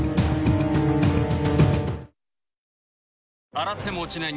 洗っても落ちない